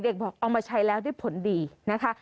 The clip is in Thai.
บอกเอามาใช้แล้วได้ผลดีนะคะ